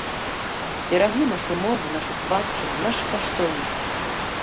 Бераглі нашу мову, нашу спадчыну, нашы каштоўнасці.